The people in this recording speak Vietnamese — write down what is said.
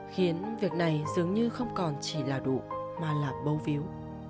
khiến việc này dường như không còn chỉ là đủ mà là bâu viếu